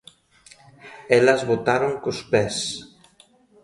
Elas votaron cos pés.